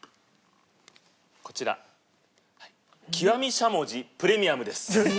こちら極しゃもじプレミアムです。